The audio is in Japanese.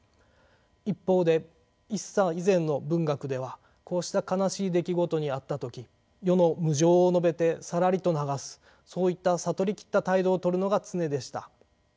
一方で一茶以前の文学ではこうした悲しい出来事に遭った時世の無常を述べてさらりと流すそういった悟り切った態度をとるのが常でした。